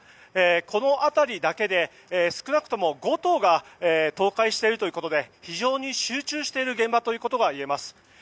この辺りだけで少なくとも５棟が倒壊しているということで非常に集中している現場ということがいえます。